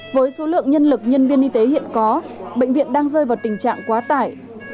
với số lượng nhân lực nhân viên y tế hiện có bệnh viện đang rơi vào tình trạng quá tải